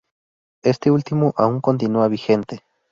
Este último aun continua vigente.